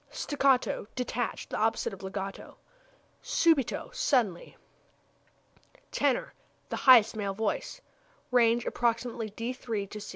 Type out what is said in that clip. Staccato detached; the opposite of legato. Subito suddenly. Tenor the highest male voice. Range approximately d c''.